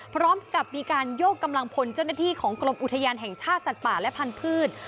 พร้อมกับมีการโยกกำลังพลเจ้าหน้าที่ของกรมอุทยานแห่งชาติสัตว์ป่าและพันธุ์